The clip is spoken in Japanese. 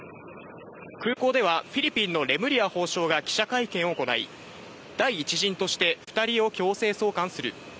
空港ではフィリピンのレムリヤ法相が記者会見を行い、第一陣として２人を強制送還する。